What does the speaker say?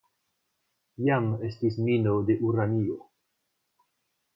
Iam estis mino de uranio.